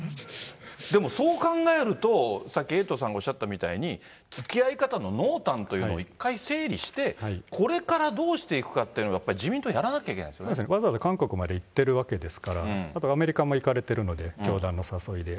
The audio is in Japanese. でもそう考えると、さっき、エイトさんがおっしゃったみたいに、つきあい方の濃淡というのを一回整理して、これからどうしていくかっていうのをやっぱり自民党やそうですね、わざわざ韓国まで行っているわけですから、あとアメリカも行かれてるので、教団の誘いで。